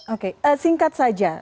oke singkat saja